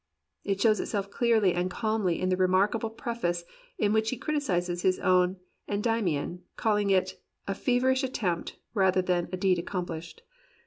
It shows itself clearly and calmly in the remarkable preface in which he criticizes his own "Endymion," calling it "a feverish attempt, rather than a deed 184 THE POET OF IMMORTAL YOUTH accomplished."